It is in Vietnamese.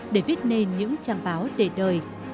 để viết nên những trang báo đề đời